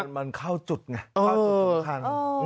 มันเข้าจุดไง